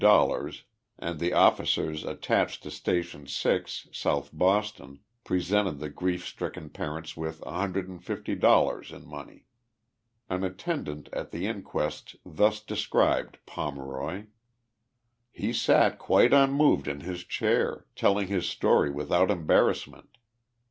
him a purse of 850 and the officers attached to Station G, South Boston, presented the grief stricken parents with 8150 in money. An attendant at the inquest thus described Pomeroy : 44 He sat quite unmoved in his chair, telling his story without embarrassment.